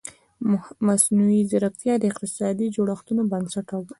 مصنوعي ځیرکتیا د اقتصادي جوړښتونو بڼه اړوي.